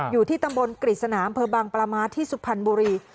อยู่ที่ตำบลกฤษณาอำเภอบางปลาม้าที่สุพรรณบุรี